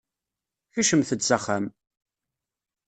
Kecmet-d s axxam!